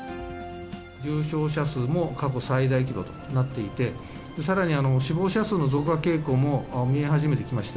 重症者数も過去最大規模となっていて、さらに死亡者数の増加傾向も見え始めてきました。